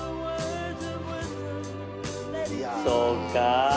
そうか。